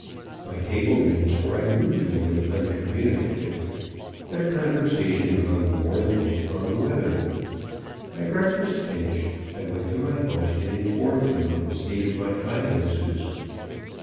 My table mates were unusually uncommunicative; their conversation hung mournfully on the weather. My breakfast finished, I went to my host and informed him of the state of my finances.